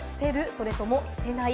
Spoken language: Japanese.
それとも捨てない？